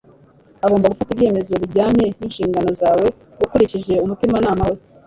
Ugomba gufata ibyemezo bijyanye ninshingano zawe ukurikije umutimanama wawe